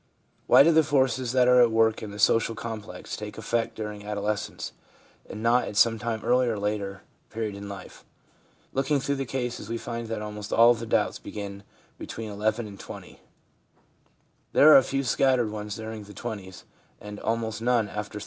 Why do the forces that are at work in the social complex take effect during adolescence, and not at some earlier or later period in life ? Looking through the cases, we find that almost all of the doubts begin between 11 and 20. There are a few scattered ones during the twenties, and almost none after 30.